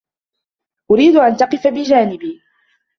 أريد أن تقف بجانبي.